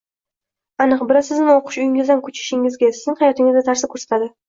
Aniq. Bilasizmi, oʻqish uyingizdan koʻchishingizga, sizning hayotingizga taʼsir koʻrsatadi.